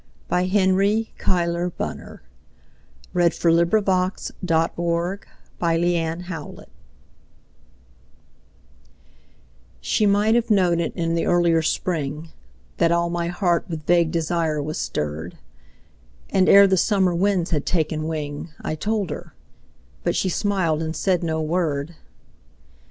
1912. Henry Cuyler Bunner 1855–1896 Henry Cuyler Bunner 235 Feminine SHE might have known it in the earlier Spring, That all my heart with vague desire was stirred; And, ere the Summer winds had taken wing,I told her; but she smiled and said no word.